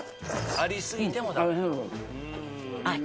あり過ぎても。